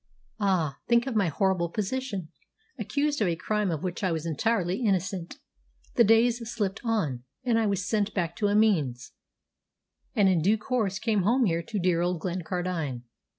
"Ah! think of my horrible position accused of a crime of which I was entirely innocent! The days slipped on, and I was sent back to Amiens, and in due course came home here to dear old Glencardine.